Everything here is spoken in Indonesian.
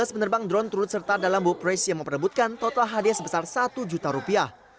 lima belas penerbang drone turut serta dalam book race yang memperebutkan total hadiah sebesar satu juta rupiah